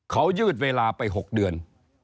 เขายืดเวลาไป๖เดือน